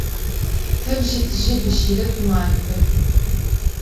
tev jî tijî bi şîret û marîfet in.